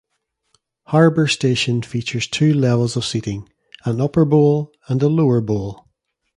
Harbour Station features two levels of seating, an 'upper bowl' and a 'lower bowl'.